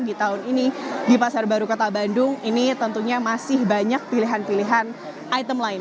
di tahun ini di pasar baru kota bandung ini tentunya masih banyak pilihan pilihan item lain